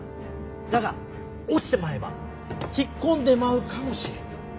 だが落ちてまえば引っ込んでまうかもしれん。